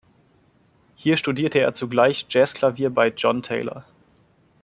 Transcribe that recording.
Hier studierte er zugleich Jazzklavier bei John Taylor.